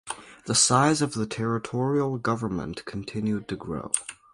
The size of the territorial government continued to grow.